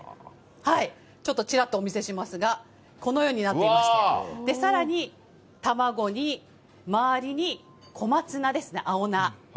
ちょっとちらっとお見せしますが、このようになっていまして、さらに、卵に、周りに小松菜ですね、青菜。